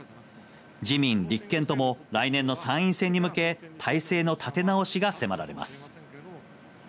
自民・立憲とも来年の参院選に向け、態勢の立て直しが迫られます。